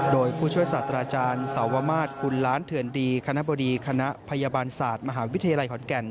โดยผู้ช่วยศาสตราอาจารย์สาวมาศคุณล้านเถื่อนดีคณะบดีคณะพยาบาลศาสตร์มหาวิทยาลัยขอนแก่น